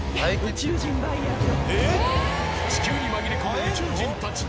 地球に紛れ込む宇宙人たち